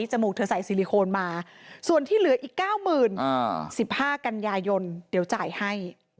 มูกเธอใส่ซิลิโคนมาส่วนที่เหลืออีก๙๐๐๑๕กันยายนเดี๋ยวจ่ายให้